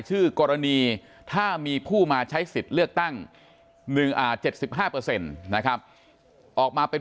กรณีถ้ามีผู้มาใช้สิทธิ์เลือกตั้ง๗๕นะครับออกมาเป็น